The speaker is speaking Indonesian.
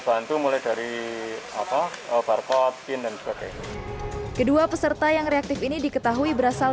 bantu mulai dari apa barcode bin dan sebagainya kedua peserta yang reaktif ini diketahui berasal